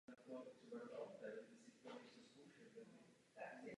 Pane předsedající, děkuji vám za milá slova.